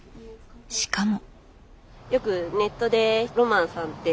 しかも。